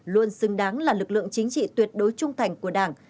luôn xứng đáng là lực lượng chính trị tuyệt đối trung thành của đảng